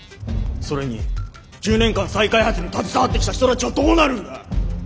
それに１０年間再開発に携わってきた人たちはどうなるんだ！